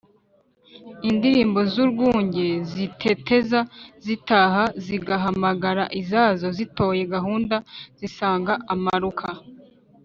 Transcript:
Indilimbo z’urwunge, Ziteteza zitaha, Zihamagara izazo, Zitoye gahunda, Zisanga amaruka